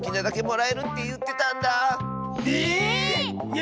え？